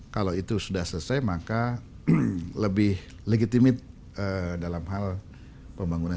kalau itu sudah selesai maka lebih legitimit dalam hal pembangunan